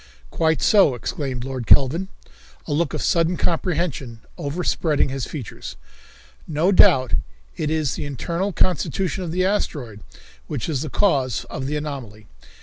"Quite so," exclaimed Lord Kelvin, a look of sudden comprehension overspreading his features. "No doubt it is the internal constitution of the asteroid which is the cause of the anomaly.